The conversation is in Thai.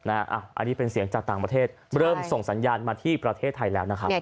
อันนี้เป็นเสียงจากต่างประเทศเริ่มส่งสัญญาณมาที่ประเทศไทยแล้วนะครับ